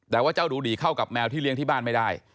แต่ว่าเจ้าดูดีเข้ากับแมวที่เลี้ยงที่บ้านไม่ได้